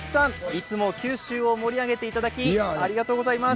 いつも九州を盛り上げていただきありがとうございます。